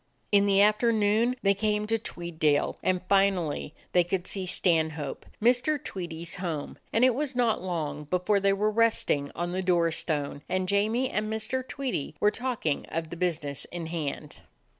In the afternoon they came to Tweeddale; and finally they could see Stanhope, Mr. Tweedie's home, and it was not long before they were resting on the door stone, and Jamie and Mr. Tweedie were talking of the business in hand.